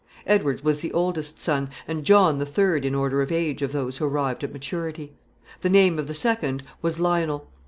Edward was the oldest son, and John the third in order of age of those who arrived at maturity. The name of the second was Lionel.